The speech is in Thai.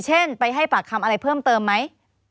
เช่นไปให้ปากคำอะไรเพิ่มเติมไหม